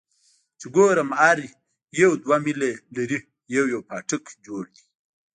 چې ګورم هر يو دوه ميله لرې يو يو پاټک جوړ دى.